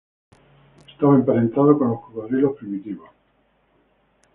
Estaba emparentado con los cocodrilos primitivos.